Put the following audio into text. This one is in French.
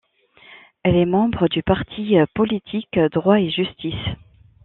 Elle est membre du parti politique Droit et justice.